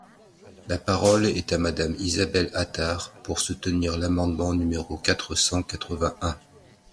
La parole est à Madame Isabelle Attard, pour soutenir l’amendement numéro quatre cent quatre-vingt-un.